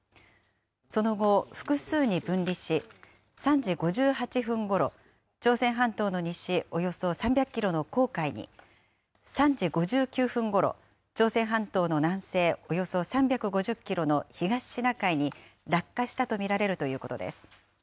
その後、複数に分離し、３時５８分ごろ、朝鮮半島の西およそ３００キロの黄海に、３時５９分ごろ、朝鮮半島の南西およそ３５０キロの東シナ海に落下したと見られるということです。